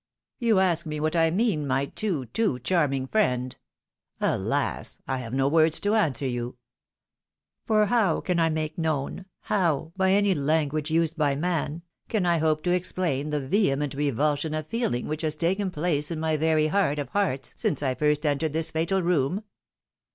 " You ask me what I mean, my too, too charming friend ! Alas ! I have no words to answer you ! For how can I make known — how, by any language used by man, can I hope to explain the vehement revulsion of fesUng which has taken place in my very heart of hearts since first I entered this fatal room